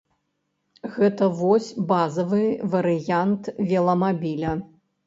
Гэта вось базавы варыянт веламабіля.